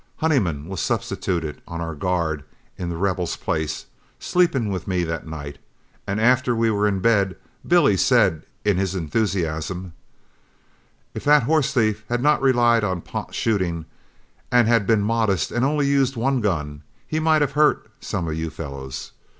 Honeyman was substituted on our guard in The Rebel's place, sleeping with me that night, and after we were in bed, Billy said in his enthusiasm: "If that horse thief had not relied on pot shooting, and had been modest and only used one gun, he might have hurt some of you fellows.